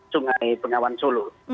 sungai pengawan solo